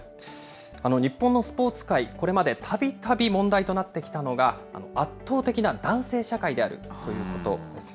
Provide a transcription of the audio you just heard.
日本のスポーツ界、これまでたびたび問題となってきたのが、圧倒的な男性社会であるということです。